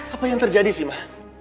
apa yang terjadi sih mah